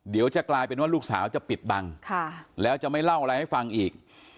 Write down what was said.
เดี๋ยวจะกลายเป็นว่าลูกสาวจะปิดบังแล้วจะไม่เล่าอะไรให้ฟังอีก